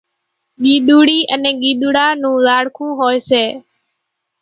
ڳيۮوڙِي انين ڳيۮوڙا نون زاڙکون هوئيَ سي۔